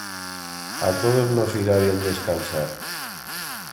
A todos nos irá bien descansar.